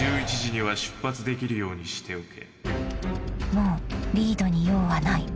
［「もうリードに用はない」］